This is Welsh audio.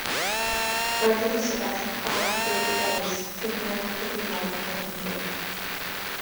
Roedd Elizabeth yn chwaer i David Ellis twrnai cyffredinol gogledd Cymru.